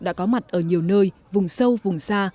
đã có mặt ở nhiều nơi vùng sâu vùng xa